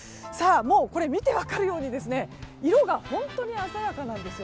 見て分かるように色が本当に鮮やかなんです。